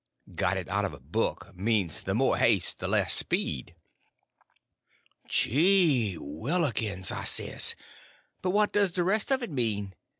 _ Got it out of a book—means the more haste the less speed." "Geewhillikins," I says, "but what does the rest of it mean?"